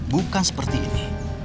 bukan seperti ini